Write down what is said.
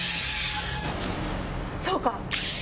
そうか！